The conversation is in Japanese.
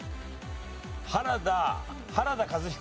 原田原田和彦。